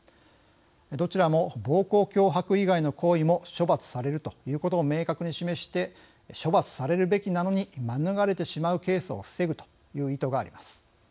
どちらも暴行・脅迫以外の行為も処罰されるということを明確に示して処罰されるべきなのに免れてしまうケースを防ぐという意図があります。